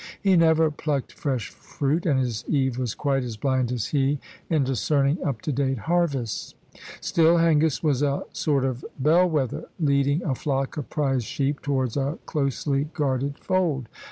He never plucked fresh fruit, and his Eve was quite as blind as he in discerning up to date harvests. Still, Hengist was a sort of bell wether, leading a flock of prize sheep towards a closely guarded fold.